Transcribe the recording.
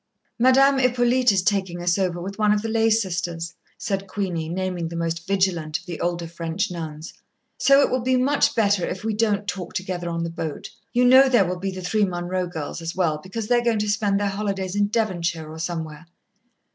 "Madame Hippolyte is taking us over, with one of the lay sisters," said Queenie, naming the most vigilant of the older French nuns. "So it will be much better if we don't talk together on the boat. You know there will be the three Munroe girls as well, because they are going to spend their holidays in Devonshire or somewhere."